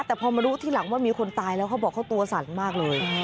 แต่พอมารู้ทีหลังว่ามีคนตายแล้วเขาบอกเขาตัวสั่นมากเลย